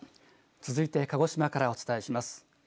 続いて鹿児島からお伝えします。